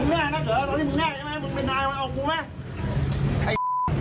ไอ้